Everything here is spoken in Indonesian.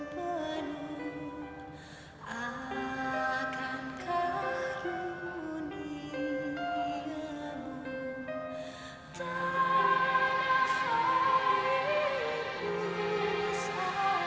mewakili panglima angkatan bersenjata singapura